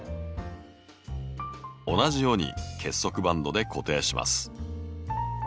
同じように結束バンドで固定します。